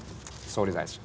総理大臣。